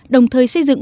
đồng thời xây dựng